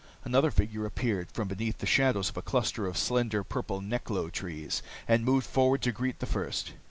Another figure appeared from beneath the shadows of a cluster of slender, purple neklo trees and moved forward to greet the first.